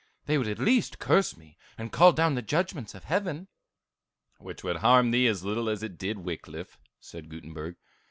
They would at least curse me, and call down the judgments of Heaven." "Which would harm thee as little as it did Wickliffe," said Gutenberg.